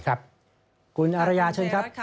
คุณอารยาเชิญครับ